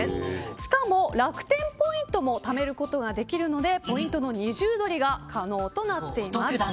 しかも楽天ポイントもためることができるのでポイントの二重取りが可能となっています。